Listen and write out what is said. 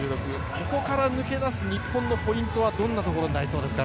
ここから抜け出す日本のポイントはどんなところになりそうですか。